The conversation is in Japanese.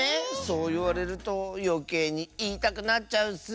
そういわれるとよけいにいいたくなっちゃうッス。